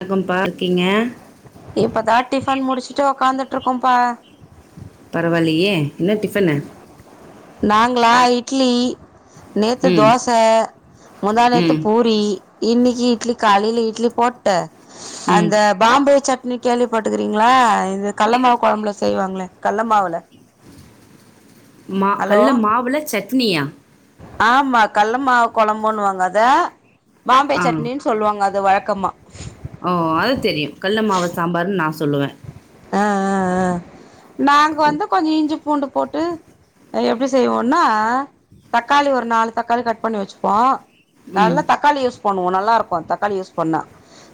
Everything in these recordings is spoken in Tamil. வணக்கம்ப்பா இருக்கீங்க இப்பதான் டிஃபன் முடிச்சுட்டு உக்கான்துட்டு இருக்கோம்பா பரவாயில்யே நாங்களா ஐ கிளி நேத்து ம் தோச முந்தாநேத்து ம் பூரி இன்னிக்கு இட்லி காலில இட்லி போட்டு ம் அந்த பாம்பே சட்னி கேள்விப்பட்டுக்கிறீங்களா இது கல்ல ஏ, மாவு கொழம்புல செய்வாங்களே கள்ள மாவுல மா கல்ல மாவுல சட் துனியா ஆமா கல்ல மாவு குழம்புன்னுவாங்க அத பாம்பே ஆ சட்னின்னு சொல்லுவாங்க அது வழ க்கமா ஓ அது தெரியும் கல்ல மாவு சாம்பார்ன்னு நான் சொல்லுவேன் ஆஹ் ஆஹ் ஆஹ் நாங்க ஓ வந்து கொஞ்ச இஞ்சி பூண்டு போட்டு எப்டி செய்வோனா தக்காளி ஒரு நாலு தக்காளி கட் பண்ணி வச்சுப்போம் ம் நல்லா தக்காளிய பன்னுவோ நல்லாருக்கூ தக்காளி யூஸ் பண்ணா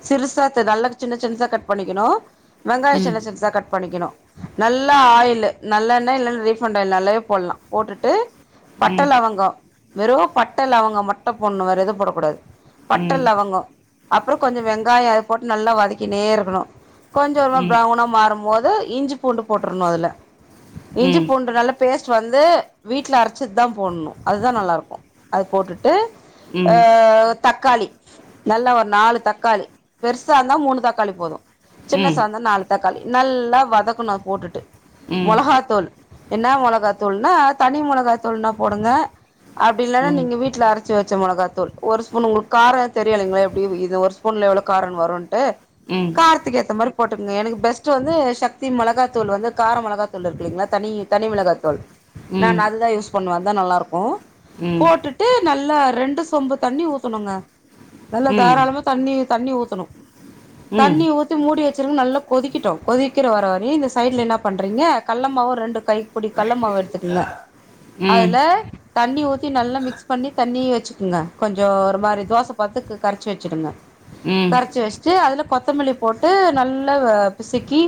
சிறுசா நல்ல சின்ன சின்னதா கட் பண்ணிக்கணும் ம் சிருசு சிருசா கட் பண்ணிக்கணு நல்லா ஆயிலு நல்லெண்ண இல்லன்னா ரீபண்ட் ஆயில் நல்லாவே போடலா போட்டுட்டு பட்ட ம் லவங்கோ வெறு பட்ட லவங்க மட்டு போட்ணு வேற எது போடக்கூடாது பட்ட ம் லவங்கோ அப்புற கொஞ்சோ வெங்காயோ அத போட்டு நல்லா வதக்கினே இருக்கணு கொஞ்சோ ம் ப்ரவுனா மாறும்போது இஞ்சி பூண்டு போட்ருன்னு அதுல இஞ்சி ம் ம் பூண்டு நல்ல பேஸ்ட் வந்து வீட்ல அரைச்சுத்து தா போட்ணு அதுதான் நல்லா இருக்கூ அது போட்டுட்டு ம் அஹ் தக்காளி நல்லா ஒரு நாலு தக்காளி பெருசா இருந்தா மூணு தக்காளி போது சின்ன ம் ம் சார்ந்த நாலு தக்காளி நல்லா வதக்கனு அத போட்டுட்டு ம் மொளகாதூல் என்னா மொளகா தூள்னா தனி மொளகா தூள்னா போடுங்க அப்டி இல்லனா நீங்க வீட்ல அரைச்சு வச்ச மொளகாத்தூள் ஒரு ஸ்பூன் உங்களுக் கார தெரியு இல்லைங்களா எப்படி இது ஒரு ஸ்பூன்ல எவ்ளோ காரோ வருன் டு காரத்துக்கு ஏத்த மாரி போ எனக்கு பெஸ்ட் வந்து சக்தி மொளகாத்தூல் வந்து கார மொளகாத்தூல் இருக்கு இங்களா தனி தனி மொளகா தூல் ம் நான் அதுதா யூஸ் பண்ணுவே தான் நல்லாருக்கூ ம் போட்டுட்டு நல்லா ரெண்டு சொம்பு தண்ணி ஊத்தணுங்க நல்ல தாராளமா தண்ணி தண்ணி ஊத்தணு தண்ணி ஊத்தி மூடி சில நல்ல கொதிக்கிட்டோ கொதிக்கிற வர வரை இந்த சைடல என்ன பண் கல்லமாவு ரெண்டு கைபுடி கல்லமாவு எடுத்துக்குங்க ம் ம் ம் ம் ம் ம் அதுல தண்ணி ஊத்தி நல்லா மிக்ஸ் பண்ணி தண்ணி வச்சுகங்க கொஞ்சோ ஒரு மாரி தோச பாத்ததுக்கு கரச்சு வச்சுருங்க கரச்சு வச்சுட்டு கொத்தமல்லி போட்டு நல் னு பிசிக்கி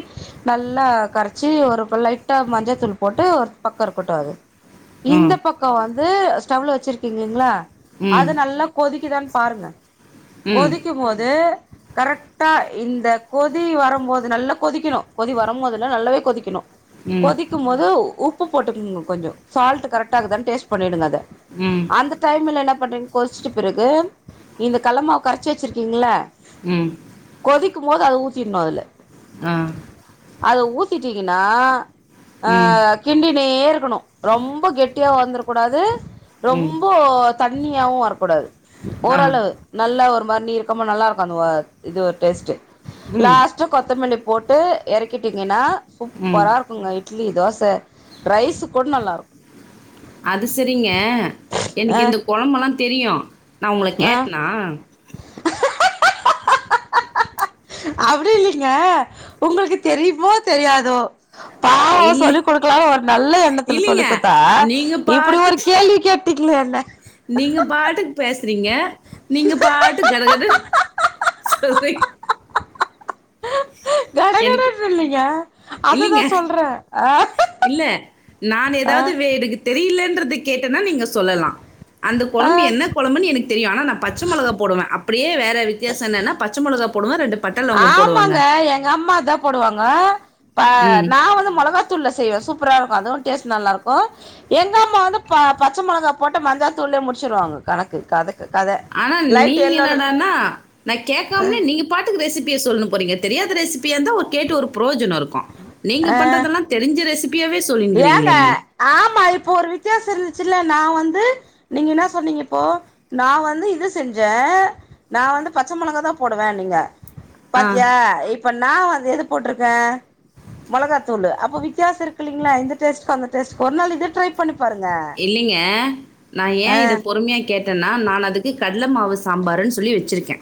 நல்லா கரச்சி ஒரு பிலெட் முட்ட மஞ்சத்தூள் போட்டு ஒரு பக்கோ இருக்கட்டோ அது இந்த பக்கோ வந்த் அது ஸ்டவ்ல வெச்சிருக்கீங்ளீங்களா அத நல்லா கொதிக்குதா பாருங்க கொதிக்கும் போது கரெக்ட்டா இந்த கோத் கொதி வரும்போது நல்லா கொதிக்கணு கொதி வரும்போதுல்ல நல்லாவே கொதிக்கணு ம் கொதிக்கும் போது உப்பு உப்பு போட்டுகோங்க கொஞ்சம் சால்டு கரக்டா இருக்குதானு டேஸ்ட் பண்ணிடுங்க அத ம் அந்த டைம்ல என்னப் பண்றீங்க பொரிச்சுட்ட பிறகு இந்த கல்லமாவு கரைச்ச வெச்சிருக்கீங்களா ம் ம் கொதிக்கு போது அத ஊத் தினோ அதுல ஆ அத ஊத் த்திட்டீங்கன்னா அ ம் கிண்டிடே இருக் இருக்கணோ ரொம்ப கெட்டியா வந்துருக்க கூடாது ம் ரொம்போ தண்ணியாவோ வரக்கூடாது ஆ ஓரளவு நல்லா ஒரு பண்ணி இருக்கம்போ நல்லா இருக்கோ அந்த இது ஒரு டேஸ்டு ம் லாஸ்டா கொத்த மல்லி போட்டு இறக்கீட்டிங்கன்னா ம் சூப்பரா இருக்கோங்க இட் இட்லி தோச ரைஸுக் கூட நல்லாருக் அது செரிங்க எனக்கு ஆ இந்த கொழம்பல்லாந் தெரியு நா உங்கள ஆ கேட்னா அப்டி இல்லீங்க உங்களுக்கு தெரியுமோ தெரியாதோ அ பாவோ இல்ல சொல்லிக் குடுக்கலான் ஒரு நல்ல எண்ணத்துல சொல்லி இல்லைங்க. குட்த்தா நீங்க இப்டி ஒரு பாட்டுக்கு கேள்விய கேட் டிக்கணு என்ன நீங்க பாட்டுக்கு பே சறீங்க நீங்க பாட்டுக் கடகடன் சொல்றீங் எனக்கு கடகடன்னு இல்லைங்க அததா இல்லீங்க சொல்றே ஆ இல்ல நான் ஆ எதாவ்து வே எனக்கு தெரியலன் றது கேட்டன்னா நீங்க சொல்லலா அந்த ஆ கொழம்பு என்ன கொழம்புனு எனக் தெரியு ஆனா நா பச்ச மொளகா போடுவே அப் அப்படியே வேற வித்தியாச என்னனா பச்ச மொளகா போடுவே ரெண்டு ஆமாங்க எங்க அம்மா தா போடுவாங்க பா ம். நா வந்து மொளகாத்தூள்ல செய்வே சூப் ப்பரா இருக்கு அதுவு டேஸ்ட் நல்லாருக்கு எங்க அம்மா வந்து ப பச்சை மொளகா போட்ட மஞ்சாத்தூள்ல முடிச்சுடுவாங்க கணக்கு கதக் ஆனா நீங்க என்னடானா நா கேக்காமனே நீங்க பாட்டுக்கு ரெசிப் பிய சொல்லுனு போறீங்க தெரியாத ரெசிபியா இருந்தா ஒரு கேட்டு ஒரு புரோஜனம் இருக்கு நீங்க ஆ பண்றதெல்லா தெரிஞ்ச ரெசிப் ஏங்க ஆமா இப்ப ஒரு வித்தியாசம் இருந் சில்ல நா வந்து நீங்க என்னா சொன்னீங்க இப்போ நா வந்து இது செஞ்சே நா வந்து பச்ச மொளகா தா போடுவேனிங்க ஆ. பாத்தியா இப் ப்ப நா வந்து எது போட்டுருக்கே மொளகாத்தூளு அப்ப வித்தியாச இருக்கு இல் இல்ல இந்த டேஸ்ட்க்கு அந்த டேஸ்ட்கு ஒரு நாள் இத ட்ரை பண்ணி பாருங்க இல்லைங்க நா ஏ ஆ இத பொறுமையா கேட்டேன்னா நான் அதுக்கு கட் கல்ல மாவு சாம்பருன் சொல்லி வச்சுருக்கே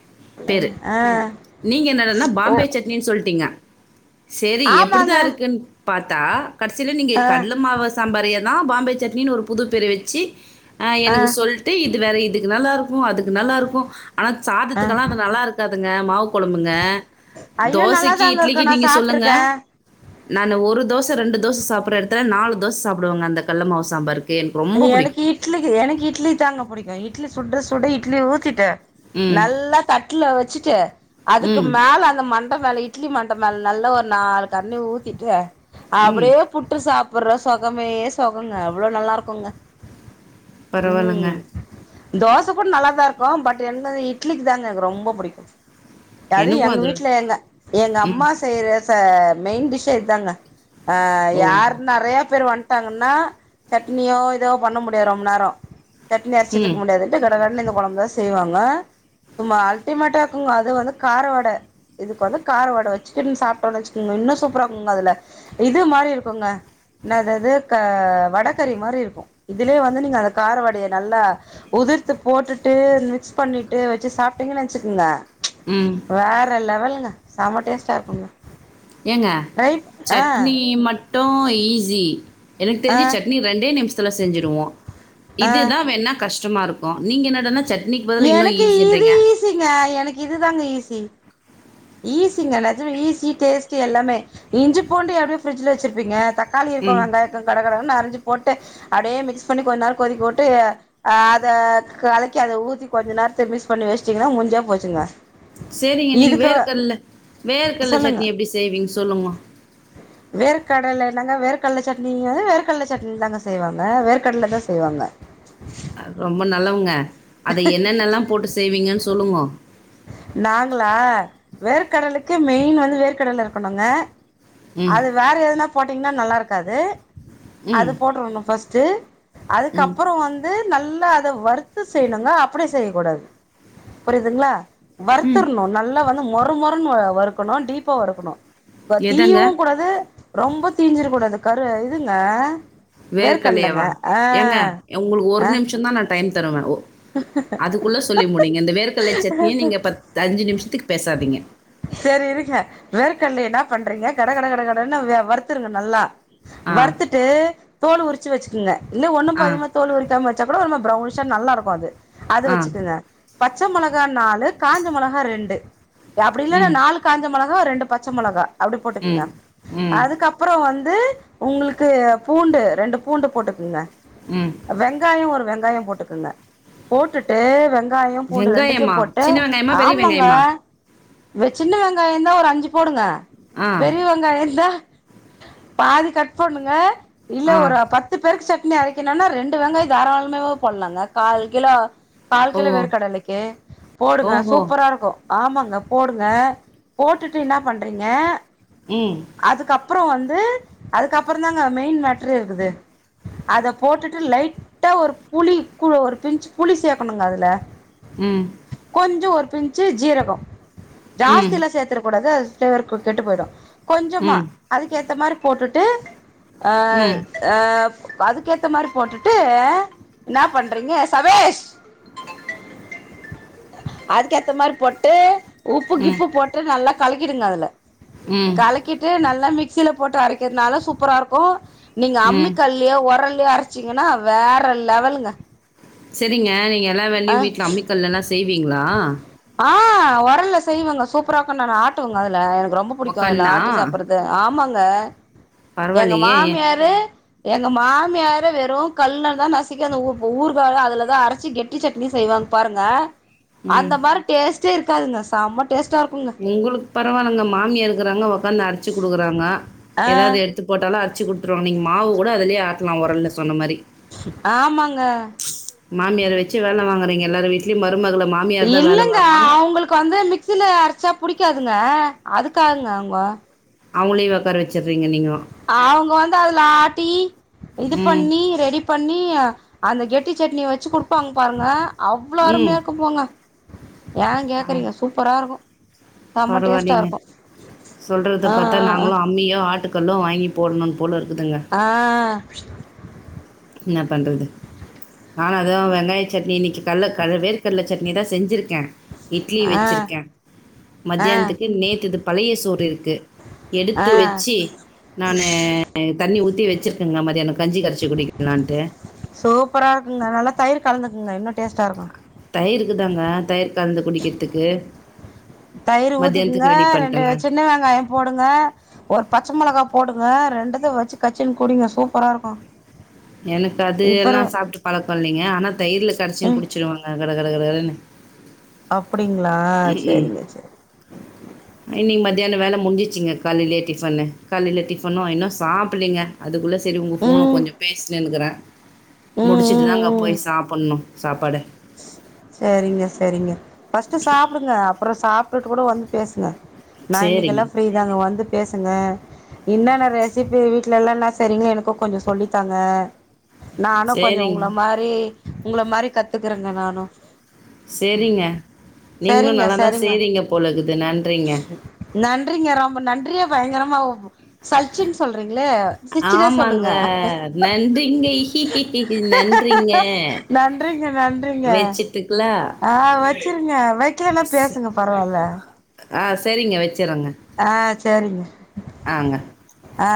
பேரு ஆ நீங்க என்னடனா ஓ பாம்பே சட்னின்னு சொல்லிட்டீங்க செரி எப்படிதா ஆமாங்க இருக்குன் பாத்தா கடசில நீங்க ஆ கடல மாவ சாம்பாரே தா பாம்பே னினு ஒரு புதுப்பேர வச்சு ஆஹ் ஆ எனக்கு சொல்ட்டு இது வேற இதுக்கு நல்லா இருக் கு அதுக்கு நல்லாருக்கு ஆனா ஆ சாதத்துக்கல்லா அது நல்லாருக்காது காதுங்க மாவு கொழம்புங்க ஐயோ தோசைக்கு நல்லாதாங்க இட்லிக்கு இருக்கு நா நீங்க சொல்லுங்க சாப்ட்ருக்கே நான் ஒரு தோச ச ரெண்டு தோச சாப்புட்ற இடத்துல நாலு தோச சாப்டுவங்க அந்த கள்ள மாவு சாம்பாருக்கு எனக்கு ரொம்ப எனக்கு பிடிக்கும். இட்லிக்கு எனக்கு இட்லி தாங்க புடிக்கும் இட்லி சுட சுட இட்லி ஊத்திட்டு ம். நல்லா தட்டுல வச்சு ட்டு அதுக்கு ம். மேல அந்த மண் மண்ட மேல இட்லி மண்ட மேல நல்லா ஒரு நாலு கரண்டி ஊத்திட்டு ம். அப்டியே புட்டு சாப் ப்புற சுகமே சுகங்க அவ்ளோ நல்லாருக் குங்க பரவாலங்க துக்கும் நல்லாதான் இருக்கும் பட் என்ன இட்லிக்கு தாங்க எனக்கு ரொம்ப பிடிக்கும் அதும் எனக்கும் எங்க அது வீட்ல எங்க எங்க ம். அம்மா செய்ற ப்ப மெயின் டிஷ்ஷே இதாங்க ஆஹ் ஓ! யாரு நெறைய பேரு வன் ட்டாங்கன்னா சட் னியோ ஏதோ பண்ண முடியாது ரொம்ப நேரம் சட்னி அரைசிட்ருக்க ம். முடியாதுன்ட்டு கடகடனு எங்க கொலம்புதான் செய்வாங்க சும்மா அல்டிமேட்டா இக்குங்க அது வந்து காரவடை இதுக்குவந்து காரவடை வச்சிக்கினு சாப்டோம்னு வச்சிக்கோங்க இன்னும் சூப்ராக்குங்க அதுல இதுமாரி இருக்குங்க இன்னாது அது க வட க்கறி மாரி இருக்கும் இதுலயே வந்து நீங்க அந்த காரவடைய நல்லா உதிர்த்து போட்டுட்டு மிக்ஸ் பண்ணிட்டு வச்சு சாப்ட்டீங்கன்னு வச்சுக்கங்க ச் ம். வேற லெவலுங்க செம டேஸ்டா இருக்குங்க ஏங்க ட்ரை ஆ சட்னி மட்டும் ஈஸி எனக்கு ஆ தெருஞ்சி சட்னி ரெண்டே நிமிஷ் த்துல செஞ்சுருவோம் ஆ இதுதான் வேன்னா கஷ் ஷ்டமா இருக்கும் நீங்க என்னடான்னா சட் எனக்கு இது ஈசிங்க எனக் இதுதாங்க ஈசி ஈஸிங்க நெஜமா ஈஸி டேஸ்ட்டு எல்லாமே இஞ்சி பூண்டு எப்டியு ஃப்ரிட்ஜ்ல வெச்சிருப்பீங்க தக் க்காளி இருக்கு ம். வெங்காயருக்கு கட கட கடனு அரிஞ் து போட்டு அப்டே மிக்ஸ் பண்ணி கொஞ் நேரோ கொதிக்க உட்டு அ அத கலக்கி அத ஊத்தி கொஞ்ச நேரத்த மிஸ் பண்ணி வெச்ட்டிங்னா முஞ்சே போச்சிங்க செரிங்க நீங்க வேர்க்க கல்ல வேர்கல்ல சொல்லுங்க சட்னி எப்டி செய்வீங் சொல்லுங்மா கடல என்னங்க வேர்கல்ல சட்னிய வேர்க்கல்ல சட்னிலதாங்க செய்வாங்க வேர்கட்லதா செய்வாங்க அ ரொம்ப நல்லவங்க அத என்னென்னெல்லா போட்டு செய்வீங்கன் சொல்லுங்கோ நாங்ளா வேர்க்கடலக்கி மெயின் வந்து வேர்க்கடல இருக்கணுங்க ம். அது வேற எதுனா போட்டிங்னான் நல்லாருக்காது அது ம். போட்ருணு ஃபஸ்ட்டு ம். அதுக்கப்புறோ வந்து நல் த அத வறுத்து செய்ணுங்க அப்டே செய்யக்கூடாது புரிதுங்ளா ம். வர்த்தர்ணு நல்லா வந் மொருமொருன்னு வ வறுக்கணு டீப்பா வறுக்குணு எதங்க அது ரொம்ப தீஞ்சிரக்கூடாது கரு இதுங்க வேர்க் வேர்க்கடலங்க கல்லையவா ஆ ஏங்க ய உங்ளுக் ஆ ஒரு நிம்ஷந்தா நா டைம் தருவே ஒ அதுக்குள்ள சொல்லி முடிங்க இந்த வேர்கல்லை சட்னிய நீங்க பத் அஞ்சு நிம்ஷத்துக்கு பேசாதீங்க சரி இருங்க வேர்க்கடல என்ன பண்றீங்க கட கட கட கடன்னு வ வறுத்துருங்க நல்லா ஆ, வருத்துட்டு தோலு உரிச்சு வெச்சுக்ங்க இல்ல ஒன்னு ஆ, பாதிமா தோல் உரிக்காம ச்சா கூட ஒருமா ப்ரவுனிஷ நல்லாரு வது அது ஆ, வெச்சுக்கங்க பச்ச மொளகா நாலு காஞ்ச மொளகா ரெண்டு ய அப்பிடி இல்லனா ம், நாலு காஞ்ச மொளகா ரெண்டு பச்சமொளகா அப்டி போட்டுகுங்க ம், ம், அதுக்கப்புறோ வந் ந்து உங்களுக்கு பூண்டு ரெண்டு பூண்டு போட்டுக்குங்க ம். வெங்காயம் ஒரு வெங் வெங்காயம் போட்டுக்குங்க போட்டுட்டு வந் வெங்காயும் பூண்டு ரெண்டுத்தையும் வெங்காயமா? போட்டு சின்ன வெங்காயமா? பெரிய ஆமாங்க வெங்காயமா? சின்ன வெங்காயாந்தா ஒரு அஞ்சு போடுங்க ஆ, பெரிய வெங்காயம் இல்ல பாதி கட் பண்ணுங்க இல்ல ஆ, ஒரு அ பத்து பேருக்கு செ இல்ல அதுக்கு என்னனா ரெண்டு வெங்காய தாராளமாவே போடலாங்க கால் கிலோ ஓ, கால்கிலோ வேர்க்கடலைக்கு போடுங்க ஓஹோ! சூப்பராருக்கும் ஆமாங்க போடுங்க போட்டுட்டு என்னா பண்றிங்க ம், அதுக்கப்றம் வந்து து அதுக்கப்றதாங்க மெயின் மேட்ரே இருக்குது அத போட்டுட்டு லைட்டா ஒரு புளி ஒரு பி்ன்ச்சு புளி சேக்கணுங்க அதுல ம், கொஞ்ச ஒரு கொஞ்ச ஜீரகம் ம், ஜாஸ்திலா சேத்ர கூடாது ப்ளேவர் குட்டுட்டு போய்டும் கொஞ்சமா ம், அதுக்கு ஏத்த மாரி போட்டுட்டு ஆஹ் ம், ஆஹ் அதுக்கேத்த மாரி போட்டுட்டு என்னா பண்றிங்க சபேஷ் அதுக்கேத்த மாரி போட்டு உப்பு ம், கிப்பு போட்டு நல்லா கலக்கிடுங்க அதுல ம், கலக்கிட்டு நல்லா மிக் சில போட்டு அரைக்கிறனால சூப்பராருக்கும் நீங்க ம். அம்மிக்கல்லியோ உரல் அரச்சிங்கனா வேற லெவலுங்க சரிங்க நீங்க எல்லா ஆ வேலையும் வீட்ல அம்மிக்கல்லலா செய்வீங்களா ஆஹ் உரல்ல செய்வங்க சூப்பரா கொண்டன ஆட்டுவங்க அதுல ரொம்ப புடிக்கும் அதுல உக்கான்னா? ஆட்டி சாப்பறது ஆமாங்க ச எங்க பரவாயில்லையே! மாமியாரு எங்க மாமியாரு வெறு கல்லதா நசுக்கி அந்த உ ஊருகா அதுலதா அரச்சி கெட் ட்டி சட்னி செய்வாங்க பாருங்க ம். அந்த மாரி டேஸ்ட் ட்டே இருக்காதுங்க செமட் டேஸ்ட்டாருக்குங்க உங்களுக்கு பரவால்லங்க மாமியார் இருக்குறாங்க ஒக் வந்து அரச்சு குடுக்குறாங்க ஆ எதாவது எடுத்து போட்டாலும் அரச்சு குடுத்துரு நீங் மாவு கூட அதுலயே ஆட்லா ஒரல்ல சொன்ன மாரி ஆமாங்க மாமியர வெச்சு வேல வாங்குரிங்க எல்லார் வீட்லயு ம இல்லங்க அவங்களுக்கு வந்து மி க்சில அடிச்சா புடிக்காதுங்க அதுக்காகங்க அவங்க அவுங்களயு உக்கார வ அவுங்க வந்து அதுல ஆ ட்டி இது ம். பண்ணி ரெடி பண்ணி இய அந்த கெட்டி சட்னி வச்சு குடுப்பாங் பாருங்க அவ்வளோ ம். அருமையாக்க போங்க ஏ கேக்குறீங்க சூப்பரா இருக்கு பரவலேங்க சொல்றத ஆ பாத்தா ஆ நாங்ளு அம்மியு ஆட்டு கல்லு வாங்கி போடன்னு போல இருக் ஆ என்ன பண்றது நானு அதுவு வெங்காய சட்னி இன்னைக்கி காலைல க வேர்க்கடல சட் னிதா செஞ்சிருக் கே இட்லி ஆ வச்சிருக்கே ஆ ஆ மத்தியானத்துக்கு நேத்துது பழைய சோறு இருக்கு ஆ எடுத்து வச்சு நானு தண்ணி ஊத்தி வச்சிருக்கேங்க மதியான கஞ்சீ கரச்சு குடி க்கிலாண்ட்டு சூப்பரா ருக்குங்க நல்லா தயிர் கலந்துக்குங்க இன்னொ டேஸ்ட்டா இருக்கும் தயிருக்கு தாங்க தயி்ர் கலந்து குடிக்கிறதுக்கு தயிரு ஊத்திக்குங்க மத்தியானத்துக்கு ரெடி ரெண்டு பண்ணிட்டேங்க சின்ன வெங்காய போடுங்க ஒரு பச்ச மொளகா போடுங்க ரெண்டுது வச்சு கச்சின் குடிங்க சூப்பரா இருக்கும் எனக்கு அது எல்லா இப்பரு சாப்ட்டு பழக் கல்லீங்க ஆனாத் தயிருல கடச்சு ம் குடிச்சுருவேங்க அது கடகடகடனு அப்டிங்களா செரிங்க செரி இன்னைக்கு மதியானோ வேல முடிச்சுசுங்க காலையிலயே டிஃபனு காலையில டிஃபனு இன்னு சாப்பலீங்க அதுக்குள்ள சரி உங்க ஃபோன ம் ம் கொஞ்சம் பேசினுக்கிறே ம் முடிச்சுட்டுதாங்க போய் சாப்புண்ணு சாப்பாடு செரிங்க செரிங்க ஃபர்ஸ்ட்டு சாப்புடுங்க அப்பறோ சாப்ட்டுட்டு கூட வந்து பேசுங்க நா இன்னைக்கெல்ல சரிங்க ஃப்ரீ தாங்க வந்துட் பேசுங்க இன்னன்ன ரெசிபி வீட்லெல்லா நா செஞ் செரிங்க எனக்கு கொஞ்சோ சொல்லித்தாங்க நானு கொஞ்சோ சரிங்க உங்கள மாரி உங்கள மாரி கத்துக்குறங்க நானு சரிங்க நீங்களும் சரிங்க நல்லாதா சரிங்க செய்றீங்க போலகுது நன்றிங்க நன்றிங்க ரொம்ப நன்றிய பயங்கரமா சல்ச்சினு சொல்றீங்க ஆமாங்க நன்றிங் நன்றிங்க நன்றிங்க நன்றிங்க வெச்சுட்டு ஆ வச்சிருங்க வைக்கலென்னா பேசுங்க பரவாயில்ல ஆ செரிங்க வச் ஆ செரிங் ஆங்க ஆ